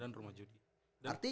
dan rumah judi